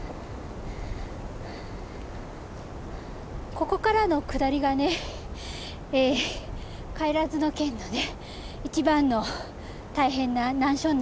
ここからの下りがね不帰ノ嶮のね一番の大変な難所になります。